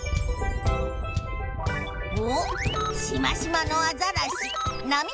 おっしましまのアザラシなみ